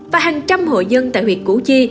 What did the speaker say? và hàng trăm hội dân tại huyệt củ chi